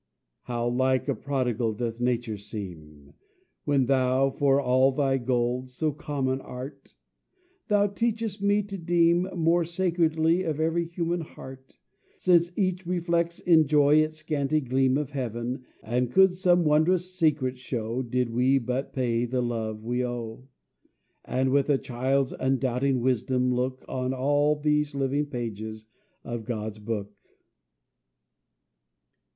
How like a prodigal doth nature seem, When thou, for all thy gold, so common art! Thou teachest me to deem More sacredly of every human heart, Since each reflects in joy its scanty gleam Of heaven, and could some wondrous secret show Did we but pay the love we owe, And with a child's undoubting wisdom look On all these living pages of God's book.